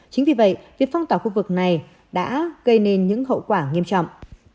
chính vì vậy việc phong tỏa khu vực này đã gây nên những hậu quả nghiêm trọng